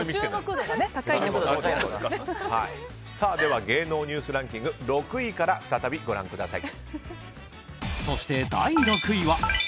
では、芸能ニュースランキング６位から再びご覧ください。